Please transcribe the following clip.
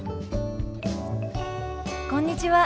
こんにちは。